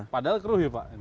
padahal keruh ya pak